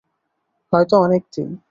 হয়তো কয়েক দিন।